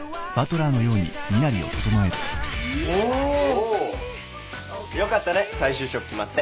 おお！よかったね再就職決まって。